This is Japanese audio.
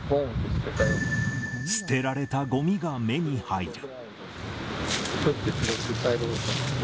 捨てられたごみが目に入る。